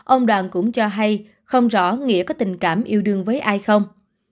ông đoàn cũng cho hay không rõ nghĩa có tình cảm yêu đương với ai không